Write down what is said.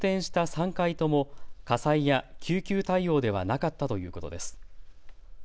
３回とも火災や救急対応ではなかったということです。